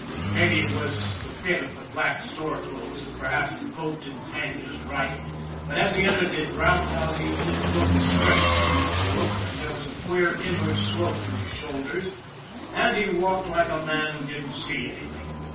Maybe it was the fit of the black store clothes and perhaps the coat didn't hang just right, but as he entered the roundhouse he didn't look as straight as he used to look and there was a queer inward slope to his shoulders and he walked like a man who didn't see any thing.